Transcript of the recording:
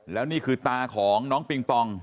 แล้วนี่คือตาของน้องปิงปอง